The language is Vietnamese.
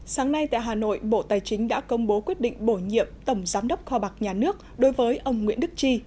sáng nay tại hà nội bộ tài chính đã công bố quyết định bổ nhiệm